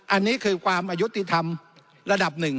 อันนี้คือความอายุติธรรมระดับหนึ่ง